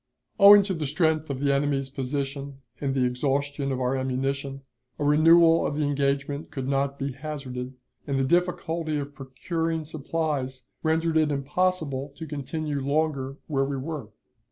Owing to the strength of the enemy's position and the exhaustion of our ammunition, a renewal of the engagement could not be hazarded, and the difficulty of procuring supplies rendered it impossible to continue longer where we were.